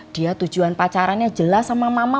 dia tujuan pacarannya jelas sama mama